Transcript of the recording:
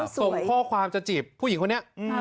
ส่งข้อความจะจีบผู้หญิงคนนี้